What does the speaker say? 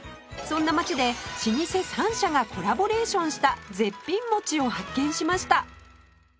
そんな街で老舗３社がコラボレーションした絶品餅を発見しました